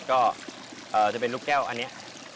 ก็จะเป็นลูกแก้วอันนี้